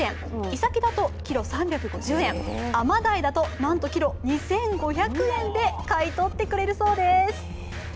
イサキだとキロ３５０円、アマダイだとなんとキロ２５００円で買い取ってくれるそうです。